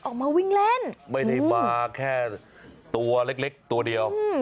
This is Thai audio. ออกมาวิ่งเล่นไม่ได้มาแค่ตัวเล็กเล็กตัวเดียว